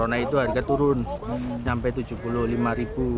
korona itu harga turun sampai tujuh puluh lima ribu